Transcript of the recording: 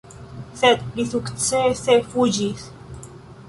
Sed li sukcese fuĝis.